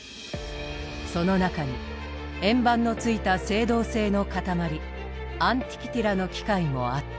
その中に円盤のついた青銅製の塊アンティキティラの機械もあった。